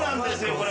これ。